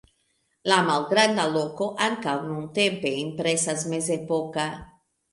La malgranda loko ankaŭ nuntempe impresas mezepoka.